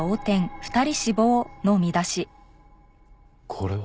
これは。